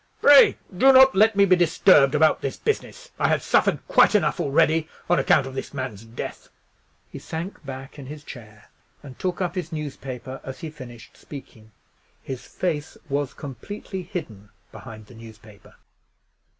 Pray do not let me be disturbed about this business. I have suffered quite enough already on account of this man's death." He sank back in his chair, and took up his newspaper as he finished speaking. His face was completely hidden behind the newspaper.